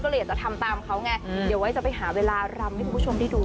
ก็เลยอยากจะทำตามเขาไงเดี๋ยวไว้จะไปหาเวลารำให้คุณผู้ชมได้ดู